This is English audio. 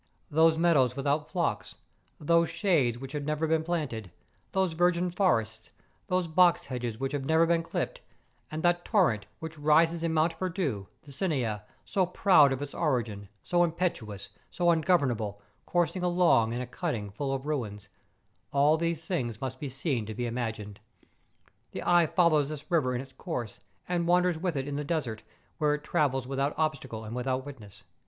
Those meadows without flocks, those shades which have never been planted, those virgin forests, those box hedges which have MONT PEKDU. 145 never been clipped, and that torrent which rises in Mont Perdu, the Cinca, so proud of its origin, so impetuous, so ungovernable, coursing along in a cutting full of ruins—all these things must be seen to be imagined. The eye follows this river in its course, and wanders with it in the desert, where it travels without obstacle and without witness.